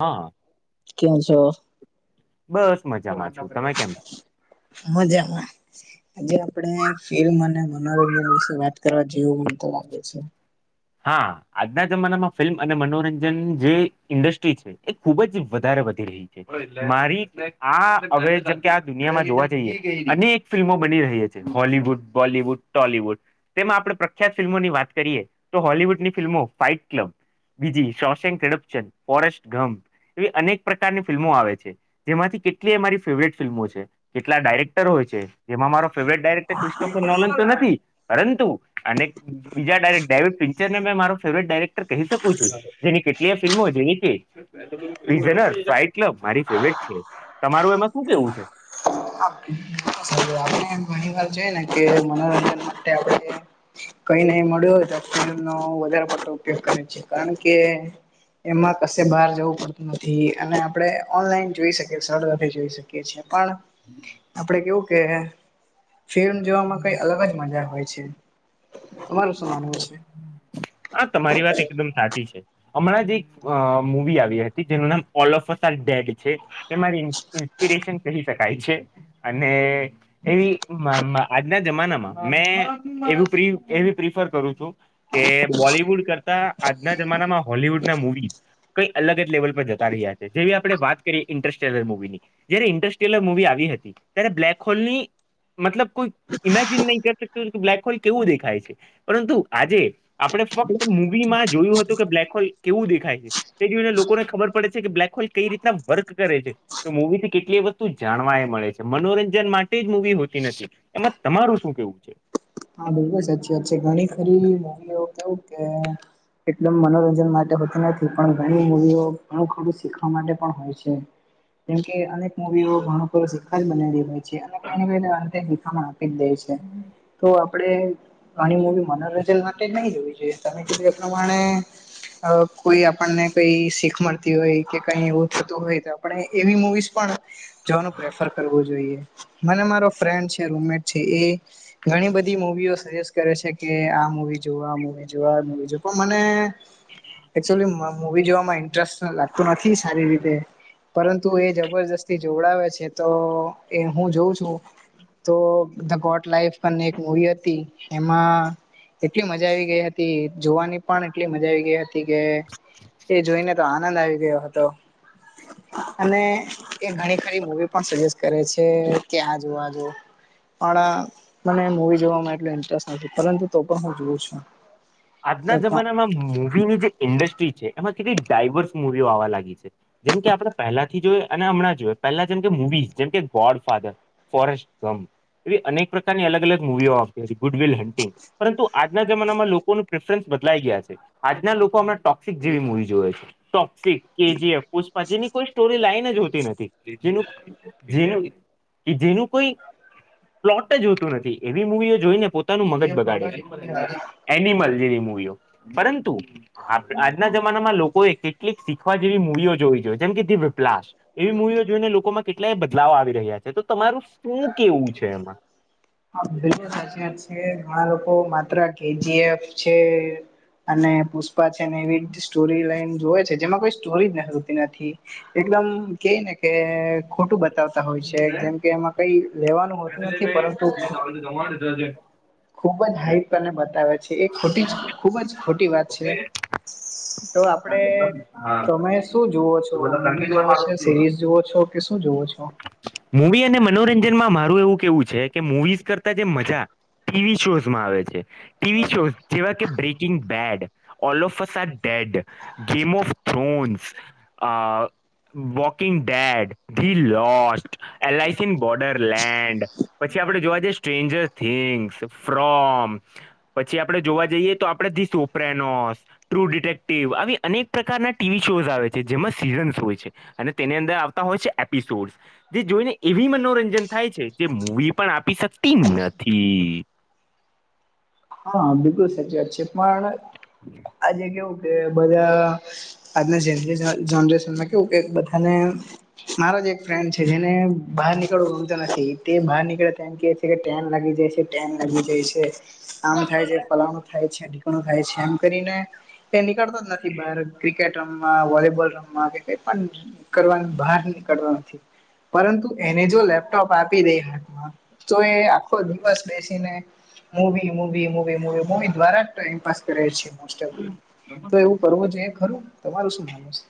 હા. કેમ છો? બસ મજામાં છું. તમે કેમ છો? મજામાં. આજે આપણે ફિલ્મ અને મનોરંજન વિશે વાત કરવા જેવું મન તો લાગે છે. હા. આજના જમાનામાં ફિલ્મ અને મનોરંજન જે ઇન્ડસ્ટ્રી છે એ ખુબ જ વધારે વધી રહી છે. મારી આ હવે જો કે આ દુનિયામાં જોવા જઈએ, અનેક ફિલ્મો બની રહી છે. Hollywood, Bollywood, Tollywood. તેમાં આપણે પ્રખ્યાત ફિલ્મો ની વાત કરીએ તો હોલીવુડ ની ફિલ્મો ફાઈટ ક્લબ. બીજી, [unintelligible] ફોરેસ્ટ ઘમ્પ એવી અનેક પ્રકારની ફિલ્મો આવે છે. જેમાંથી કેટલી અમારી ફેવરેટ ફિલ્મો છે. કેટલા ડાયરેક્ટર હોય છે. જેમાં મારો ફેવરેટ ડાયરેક્ટર ક્રિસ્ટોફર નોલન તો નથી, પરંતુ અનેક બીજા ડાયરેક [unintelligible] ફીંચર ને મે મારો ફેવરેટ ડાયરેક્ટર કહી શકું છું. જેની કેટલીય ફિલ્મો જેવી કે ફીઝનર, કીલર ફાઈટ ક્લબ મારી ફેવરેટ છે. તમારું એમાં શું કહેવું છે? [inaudible] ઘણીવાર જોઈ ને, કે મનોરંજન માટે આપણે કંઈ નહીં મળ્યું હોય તો [inaudible] નો વધારે પડતો ઉપયોગ કરે છે. કારણ કે એમાં કશે બહાર જવું પડતું નથી. અને આપણે ઓનલાઈન જોઈ શકીએ, સરળતાથી જોઈ શક કીએ છે. પણ આપણે કેવું કે ફિલ્મ જોવામાં કંઈ અલગ જ મજા હોય છે. તમારું શું માનવું છે? હા તમારી વાત એકદમ સાચી છે. હમણાં જ એક અહ મુવી આવી હતી, જેનું નામ ઓલ ઓફ અઝ ડેડ છે. તે મારી ઈન્ ઇન્સ્પિરેશન કહી શકાય છે. અને એવી મા-મા આજના જમાનામાં મેં એવું પ્રિ એવી પ્રીફર કરું છું, કે બોલીવુડ કરતા આજના જમાનામાં હોલીવુડ ના મુવી કંઈ અલગ જ લેવલ પર જતા રહ્યા છે. જેવી આપણે વાત કરીએ ઇન્ટરસ્ટેલર મુવી ની જયારે ઇન્ટરસ્ટેલર મુવી આવી હતી, ત્યારે બ્લેક હોલની મતલબ કોઈ ઇમેજિન નહીં કરી શકતું, કે બ્લેક હોલ કેવું દેખાય છે. પરંતુ આજે આપણે ફક્ત મૂવીમાં જોયું હતું, કે બ્લેક હોલ કેવું દેખાય છે. તે જોઈને લોકોને ખબર પડે છે, કે બ્લેકહોલ કંઈ રીતના વર્ક કરે છે. તો મૂવી થી કેટલીય વસ્તુ જાણવાય મળે છે. મનોરંજન માટે જ મુવી હોતી નથી. એમાં તમારું શું કહેવું છે? હા બિલકુલ સાચી વાત છે. ઘણી ખરી એવી મુવીઓ કેવું કે એદમ મનોરંજન માટે હોતી નથી, પણ ઘણી મુવીઓ ઘણું ખરુ શીખવા માટે પણ હોય છે. કેમ કે અને મુવીઓ ઘણું ખરું શીખવા જ બનેલી હોય છે. અને કંઈને કંઈ તે અંતે શીખામણ આપી જ દેઈ છે. તો આપણે ઘણી મૂવી મનોરંજન માટે જ નહીં જોવી જોઈએ. તમે કીધું એ પ્રમાણે અહ કોઈ આપણને કંઈ શીખ મળતી હોય, કે કંઈ એવું થતું હોય તો આપણે એવી મુવીઝ પણ જોવાનુ પ્રેફર કરવું જોઈએ મને મારો ફ્રેન્ડ છે રૂમમેટ છે એ ઘણી બધી મૂવીઓ સજેસ્ટ કરે છે કે આ મૂવી જોવા આ મૂવી જોવા એ મૂવી જો પણ મને એકચ્યુલી મુવી જોવામાં ઇન્ટરેસ્ટ લાગતો નથી સારી રીતે પરંતુ એ જબરજસ્તી જોવડાવે છે તો એ હું જોઉં છું તો ધ ગોટ લાઈફ પણ એક મુવી હતી એમાં એટલી મજા આવી ગઈ હતી જોવાની પણ એટલી મજા આવી ગઈ હતી કે એ જોઈને તો આનંદ આવી ગયો હતો. અને એ ઘણી ખરી મુવી પણ સજેસ્ટ કરે છે કે આ જો આ જો પણ મને મવી જોવામાં એટલો ઇન્ટરેસ્ટ નથી પરંતુ તો પણ હું જોઉ છું. આજના જમાનામાં મુૂવીની જે ઇન્ડસ્ટ્રી છે એમાં કેટલીક ડાયવર્સ મુવીઓ આવા લાગી છે. જેમકે આપણે પહેલાથી જોઈએ અને હમણાં જોઈએ પહેલા જેમ કે મવીઝ જેમકે ગોડ ફાધર ફોરેસ્ટ કમ- - એવી અનેક પ્રકારની અલગ-અલગ મુવીઓ આવતી હતી. ગુડવિલ હન્ટિંગ પરંતુ આજના જમાનામાં લોકો- - લોકોનું પ્રેફરન્સ બદલાઈ ગયા છે. આજના લોકો અમણા ટોક્સિક જેવી મૂવી જોવે છે. ટોક્સિક, કેજીએફ, પુષ્પા જેની કોઈ સ્ટોરી લાઈન જ હોતી નથી જેનું- - જેનું કે જેનું કોઈ - - પ્લોટ જોતું નથી એવી મુૂવીઓ જોઈને પોતાનું મગજ બગાડે- - એનિમલ જેની મૂવીઓ પરંતુ- - આજના જમાનામાં લોકોએ કેટલીક શીખવા જેવી મુૂવીઓ જોવી જોઈએ જેમ કે ધી વિપ્લાશ- - એવી મુૂવીઓ જોઈને લોકોમાં કેટલાય બદલાવ આવી રહ્યા છે તો તમારું શું કેવું છે એમાં? [unintelligible] છે ઘણા લોકો માત્ર કેજીએફ છે. અને પુષ્પા છે ને એવી સ્ટોરી લાઈન જોવે છે જેમાં કોઈ સ્ટોરી જ હોતી નથી. એકદમ કેય ને કે ખોટું બતાવશે- - હોય છે જેમ કે એમાં કઈ લેવાનું હોતું નથી. [unintelligible] ખૂબ જ હાઈટ અને બતાવે છે એ ખોટી ખુબ જ ખોટી વાત છે. તો આપડે [unintelligible] શું જુવો છો? મુવી જોવો છો, સિરીઝ જુવો છો કે શું જોવો છો? મૂવી અને મનોરંજનમાં મારું એવું કેવું છે કે મુવીઝ કરતા જે મજા- - ટીવી શોઝમાં આવે છે. ટીવી શો જેવા કે breaking bad, ઓલોફ [unintelligible] dead- - game of thrones આ walking dead- - the lost, Alice in borderland- - પછી આપણે જોવા જઈએ સ્ટ્રેન્જર થિંગ્સ, ફ્રોમ- - પછી આપડે જોવા જઈએ તો આપડે ધીસ ઓપ્રેનોસ- - ટ્રુ ડિટેક્ટિવ આવી અનેક પ્રકારના ટીવી શોઝ આવે છે જેમાં સિરન્સ હોય છે. અને તેની અંદર આવતા હોય છે એપિસોડ- - જે જોઈને એવી મનોરંજન થાય છે જે મુવી પણ આપી શકતી નથી. હા બિલકુલ સાચી વાત છે પણ આજે કેવું કે બધા- - આજના જનરેશન જનરેશનમાં કેવું બધાને- - મારો જ એક ફ્રેન્ડ છે જેને બહાર નીકળવું ગમતો નથી તે બહાર નીકળે તે એમ કે- - ટેન લાગી જાય છે ટેન લાગી જાય છે. આમ થાય છે, ફલાણું થાય છે, ઠીકણું થાય છે એમ કરીને એ નીકળતો જ નથી બાર- - ક્રિકેટ રમવા, વોલીબોલ રમવા કે કઈપણ કરવા બહાર નીકળતો નથી. પરંતુ એને જો લેપટોપ આપી દે હાથમાં તો એ આખો દિવસ બેસીને movie movie movie movie movie દ્વારા જ ટાઈમ પાસ કરે છે મોસ્ટ ઓફ તો એવું કરવો જોઈએ ખરું તમારું શું કેવું છે.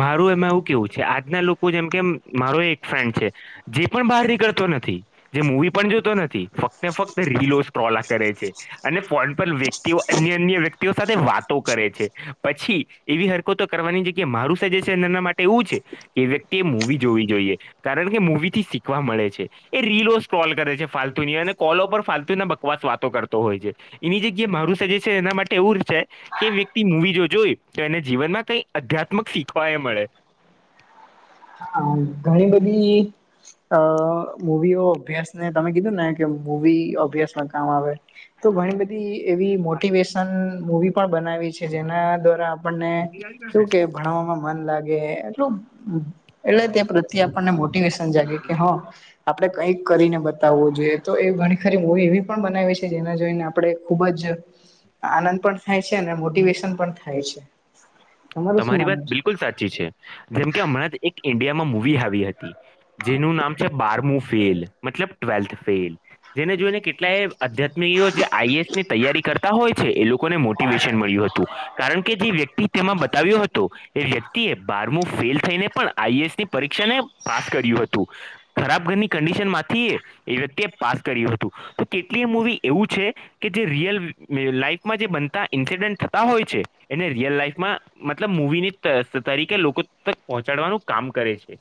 મારું એમાં એવું કેવું છે આજના લોકો જેમ કે મારો એક ફ્રેન્ડ છે. જે પણ બહાર નીકળતો નથી જે મૂવી પણ જોતો નથી ફક્તને ફક્ત રીલો સ્ટ્રોલા કરે છે. અને ફોન પણ વ્યક્તિઓ અન્ય અન્ય વ્યક્તિઓ સાથે વાતો કરે છે પછી એવી હરકતો કરવાની જે કે મારું સજેશન એના માટે એવું છે કે વ્યક્તિ એ મુવી જોવી જોઈએ કારણ કે મૂવી થી શીખવા મળે છે. એ રીલો સ્ક્રોલ કરે છે ફાલતુ ની અને કોલ પર ફાલતુને બકવાસ વાતો કરતો હોય છે. એની જગ્યા મારું સજેશન એના માટે એવું છે કે વ્યક્તિ મુવી જો જોઈ તો એને જીવનમાં કઈ અધ્યાત્મક શીખવા એ મળે. હ ઘણી બધી અ મૂવીઓ અભ્યાસ ને તમે કીધું ને કે મૂવી અભ્યાસમાં કામ આવે તો ઘણી બધી એવી મોટિવેશન મુવી પણ બનાવી છે જેના દ્વારા આપણને એવું કે ભણવામાં મન લાગે [unintelligible] એટલે તે પ્રત્યે આપણને મોટિવેશન જાગે કે હ આપણે કઈક કરીને બતાવવું જોઈએ તો એ ઘણી ખરી મુવી એવી પણ બનાવીએ છે જેના જોઈને આપણે ખુબ જ આનંદ પણ થાય છે અને મોટિવેશન પણ થાય છે. તમારું શું તમારી વાત માનવું છે બિલકુલ સાચી છે જેમકે હમણાં જ એક ઇન્ડિયામાં મુવી આવી હતી. જેનું નામ છે બારમું ફેલ મતલબ ટ્વેલ્થ ફેલ જેને જોઈને કેટલાય અધ્યાત્મિકઓ જે આઈએએસ ની તૈયારી કરતા હોય છે એ લોકો કોઈ ને મોટિવેશન મળ્યું હતું કારણ કે જે વ્યક્તિ તેમાં બતાવ્યો હતો એ વ્યક્તિએ બારમું ફેલ થઈને પણ આઈ. એસની પરીક્ષાને પાસ કર્યું હતું. ખરાબ ઘરની કંડિશન માંથી એ એ વ્યક્તિએ પાસ કર્યું હતું તો કેટલીય મૂવી એવું છે કે જે રિયલ લાઈફમાં જે બનતા ઇન્સિડન્ટ થતા હોય છે એને રિયલ લાઈફ માં મતલબ મૂવી ની ત તરીકે લોકો તક પોચાડવાનું કામ કરે છે.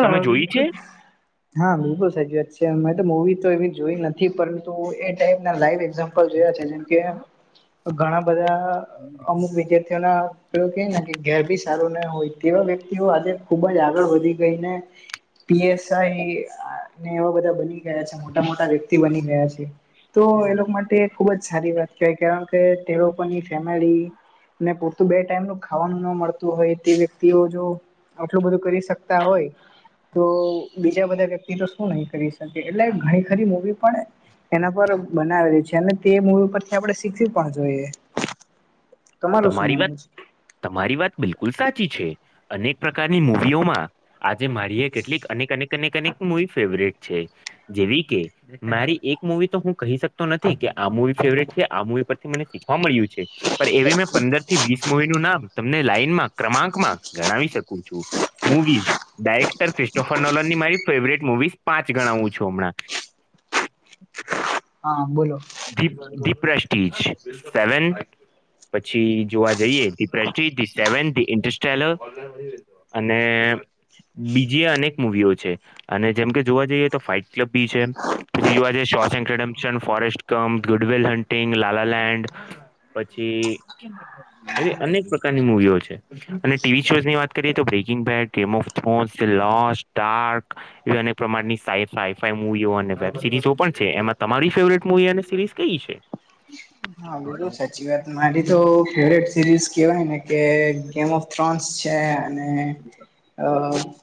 તમે જોઈ બિલકુલ છે? હા બિલકુલ સાચી વાત છે તો મુવી તો એવી જોઈ નથી પરંતુ એ ટાઈપ ના લાઈવ એક્ઝામ જોયા છે જેમકે ઘણા બધા અમુક વિદ્યાર્થીઓના એવું કંઈ નથી ઘેર ભી સારું ના હોય તેવા વ્યક્તિઓ આજે ખુબ જ આગળ વધી ગઈને પી. એસ. આઈને એવા બધા બની ગયા છે મોટા મોટા વ્યક્તિ બની ગયા છે. તો એ લોકો માટે ખુબ જ સારી વાત કહેવાય કારણ કે તે લોકોની ફેમિલી ને પૂરતું બે ટાઈમનું ખાવાનું ન મળતું હોય તે વ્યક્તિઓ જો આટલું બધું કરી શક તા હોય તો બીજા બધા વ્યક્તિ તો શું નહી કરી શકે એટલે ઘણી ખરી મુવી પણ એના પર બનાવેલી છે અને તે મૂવી પરથી આપણે શીખવી પણ જોઈએ. તમારું શું તમારી વાત માનવું છે તમારી વાત બિલકુલ સાચી છે અનેક પ્રકારની મૂવીઓમાં આજે મારી એ કેટલીક અનેક અનેક અનેક અનેક મુવી ફેવરેટ છે જેવી કે મારી એક મૂવી તો હું કહી શકતો નથી કે આ મુવી ફેવરેટ છે આ મુવી પરથી મને શીખવા મળ્યું છે ફરી એવી મેં પંદર થી વીસ મુવી નું નામ તમને લાઈનમાં ક્રમાંકમાં ગણાવી શકું છું મુવીઝ ડાયરેક્ટર ક્રિસ્ટોફરનલોની મારી ફેવરેટ મુવીઝ પાંચ ગણાવું છું હમણાં. હા બોલો દીપ દીપ પ્રેસ્ટિજ સેવન. પછી જોવા જઈએ the prestige the seven the interstellar. અને બીજી અનેક મૂવીઓ છે અને જેમ કે જોવા જઈએ તો ફાઈટ કલબ બી છે. પછી [unintelligible] ફોરેસ્ટ. તો અમ ગુડવલ હન્ટિંગ લાલા લેન્ડ પછી એવી અનેક પ્રકારની મૂવીઓ છે. અને ટીવી શોસની વાત કરીએ તો breaking game remote phone of થ લોટ્સ સ્ટાર્ક [unintelligible] પ્રમાણની વાઈ ફાઈ મુવીઓ અને વેબ સિરીઝો પણ છે એમાં તમારી ફેવરેટ મુવી અને સિરીઝ કઈ છે? [unintelligible] મારી તો ફેવરેટ સિરીઝ કેવાય ને કે ગેમ ઓફ થ્રોન્સ છે અને અ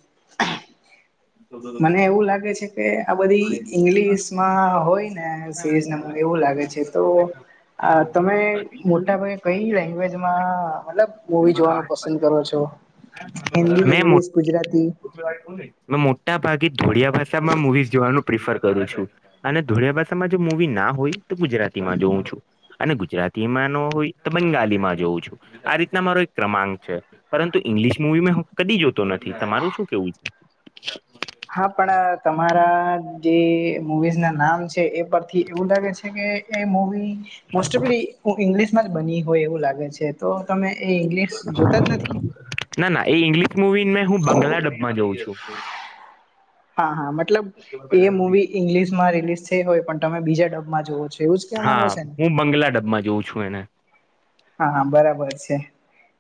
મને એવું લાગે છે કે આ બધી ઈંગ્લિશમાં હોયને સિરીઝ ના મૂવી એવું લાગે છે. તો તમે મોટાભાગે કઈ લેંગ્વેજમાં મતલબ મૂવી જોવાનું પસંદ કરો છો હિન્દી, ઇંગ્લિશ, ગુજરાતી? મેં મોટાભાગે ધોળિયા ભાષામાં મુવીઝ જોવાનું પ્રિફર કરું છું અને ધોળિયા ભાષામાં જો મુવી ના હોય તો ગુજરાતીમાં જોઉ છું. અને ગુજરાતીમાં નો હોય તો બંગાલીમાં જોઉં છું આ રીતના મારો એક ક્રમાંક છે. પરંતુ ઈંગ્લિશ મુવી મેં હું કદી જોતો નથી તમારું શું કેવું છે? હા પણ તમારા જે મુવીઝના નામ છે એ પરથી એવું લાગે છે કે, એ મૂવી મોસ્ટઓફલી હું ઇંગ્લિશમાં જ બની હોય એવું લાગે છે. તો તમે એ ઇંગ્લિશ જોતા જ નથી? ના ના એ ઇંગ્લિશ મુવી મેં હું બાંગ્લા ડબમાં જોઉં છું. હા હા મતલબ એ મુવી ઇંગ્લિશમાં રિલીઝ થઈ હોય પણ તમે બીજા ડબમાં જોવો છો. એવું જ કેવા હા માંગો છે ને હું બંગલા ડબમાં જોઉં છું એને હા હા બરાબર છે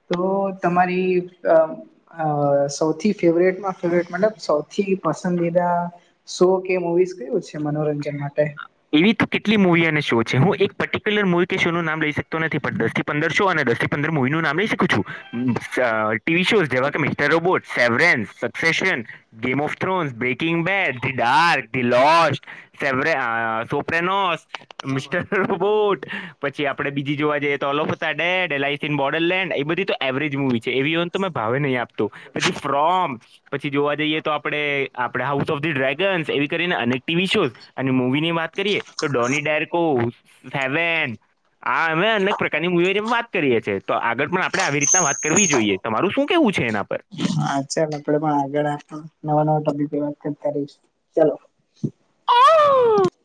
તો તમારી અ સૌથી ફેવરેટમાં ફેવરેટ મતલબ સૌથી પસંદીદા શો કે મુવીઝ કયું છે મનોરંજન માટે? એવી તો કેટલી મુવી અને શો છે હું એક પર્ટિક્યુલર મુવી કે શોનું નામ લઈ શક કતો તો નથી પણ દસ થી પંદર શો અને દસ થી પંદર મૂવીનું નામ લઈ શીખું છું ટીવી શો જેવા mister robot, severance, સબસેન્સન, game of thrones, baking bad, the dark, the lost, Sopranos mister robot પછી આપડે બીજી જોવા જઈએ તો ઓલ ફેડેડ એલઆઇસી બોડરલેન્ડ એ બધી તો એવરેજ મુવી છે એવીઓન તો મે ભાવે નહીં આપતો. પછી ફ્રોમ પછી જોવા જઈએ તો આપડે, આપડે હાઉસ ઓફ ધી ડ્રેગન્સ એવી કરીને અનેક ટીવી શોઝ અને મૂવીની વાત કરીએ તો ડોની ડેરકો સેવેન આ અમે અનેક પ્રકારની મૂવી રે વાત કરીએ છીએ તો આગળ પણ આપડે આવી રીતના વાત કરવી જોઈએ. તમારું શું કેવું છે એના પર? હા ચાલ આપડે પણ આગળ નવા નવા ટોપીકની વાત કરતા રયસ ચાલો. [unintelligible]